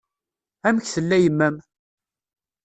Amek tella yemma-m?